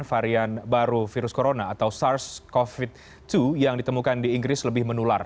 varian baru virus corona atau sars covid dua yang ditemukan di inggris lebih menular